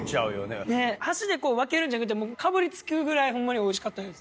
箸で分けるんじゃなくてかぶりつくぐらいホンマにおいしかったです。